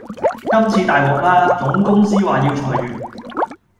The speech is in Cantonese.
今次大獲啦！總公司話要裁員